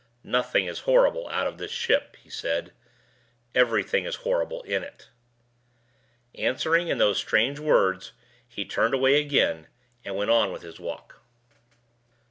"Nothing is horrible out of this ship," he said. "Everything is horrible in it." Answering in those strange words, he turned away again, and went on with his walk.